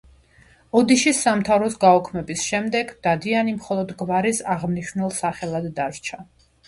ოდიშის სამთავროს გაუქმების შემდეგ „დადიანი“ მხოლოდ გვარის აღმნიშვნელ სახელად დარჩა.